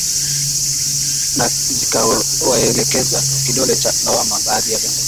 na zikawaelekezea kidole cha lawama baadhi ya viongozi